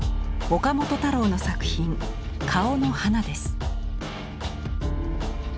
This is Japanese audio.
岡本太郎の作品「顔の花」です。